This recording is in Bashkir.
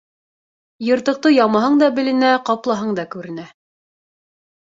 Йыртыҡты ямаһаң да беленә, ҡаплаһаң да күренә.